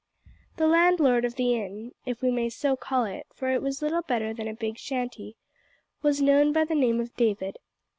The landlord of the inn if we may so call it, for it was little better than a big shanty was known by the name of David.